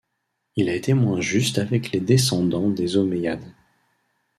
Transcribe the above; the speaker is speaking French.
Il a été moins juste avec les descendants des Omeyyades.